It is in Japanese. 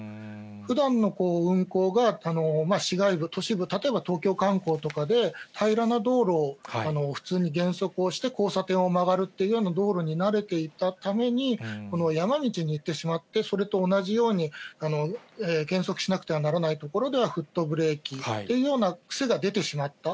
ふだんの運行が市街部、都市部、例えば東京観光とかで平らな道路を普通に減速をして、交差点を曲がるというような道路に慣れていたために、山道に行ってしまって、それと同じように減速しなくてはならないところではフットブレーキというような癖が出てしまった。